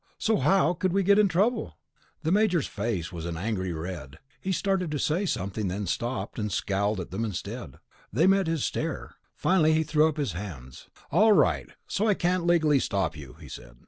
So how could we get in trouble?" The Major's face was an angry red. He started to say something, then stopped, and scowled at them instead. They met his stare. Finally he threw up his hands. "All right, so I can't legally stop you," he said.